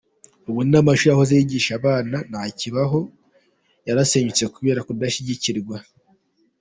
Ubu n’amashuri yahoze yigisha abana nta kibaho, yarasenyutse kubera kudashyigikirwa.